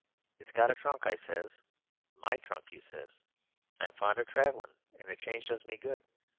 'It's got a trunk,' I says.—'My trunk,' you says: 'I'm fond of travellin', and a change does me good.